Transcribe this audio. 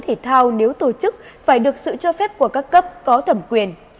thể thao nếu tổ chức phải được sự cho phép của các cấp có thẩm quyền